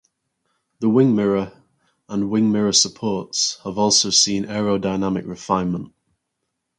The wing mirror and wing mirror supports have also seen aerodynamic refinement.